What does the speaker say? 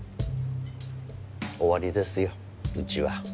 終わりですようちは。